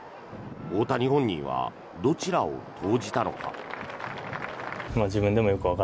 大谷本人はどちらを投じたのか。